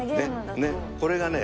これがね